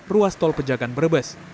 ruas tol pejagan brebes